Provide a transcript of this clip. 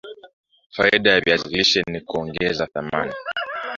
Faida ya viazi lishe ni kuongeza thamani